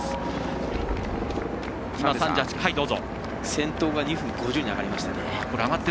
先頭が２分５０に上がりましたね。